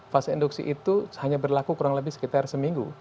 fase induksi itu hanya berlaku kurang lebih sekitar seminggu